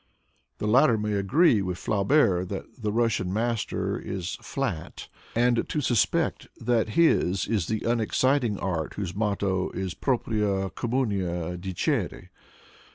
The latter may agree with Flaubert that the Russian master is '' flat/' and to suspect that his is the unexciting art whose motto is propria communia dicere.